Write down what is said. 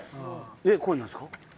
えっこれなんすか？